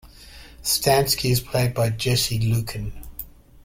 Stanky is played by Jesse Luken.